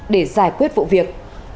để giải quyết vụ việc